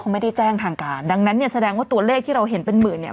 ไม่ได้แจ้งทางการดังนั้นเนี่ยแสดงว่าตัวเลขที่เราเห็นเป็นหมื่นเนี่ย